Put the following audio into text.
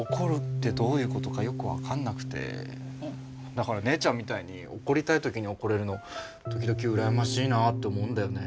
だから姉ちゃんみたいに怒りたい時に怒れるの時々羨ましいなと思うんだよね。